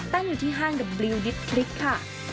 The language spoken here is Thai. ตั้งอยู่ที่ห้างกับบลิวนิสพริกค่ะ